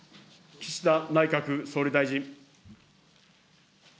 岸田内閣総理大臣。